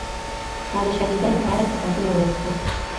ما د شهيدانو په اړه کتابونه ولوستل.